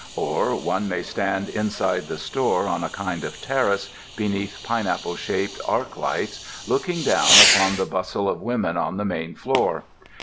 Or one may stand inside the store, on a kind of terrace, beneath pineapple shaped arc lights, looking down upon the bustle of women on the main floor.